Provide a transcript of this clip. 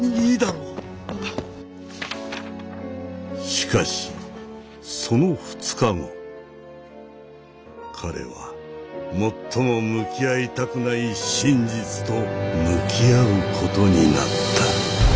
しかしその２日後彼は最も向き合いたくない真実と向き合うことになった。